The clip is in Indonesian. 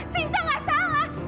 cinta nggak salah